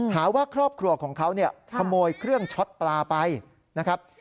หาว่าครอบครัวของเขาเนี่ยขโมยเครื่องช็อตปลาไปนะครับ